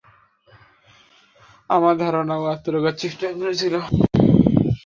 আমার ধারণা ও আত্মরক্ষার চেষ্টা করছিল।